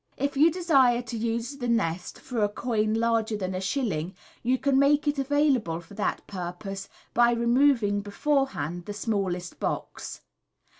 If you desire to use the nest for a coin larger than a shilling, you can make it available for that purpose by reliving beforehand the smallest box.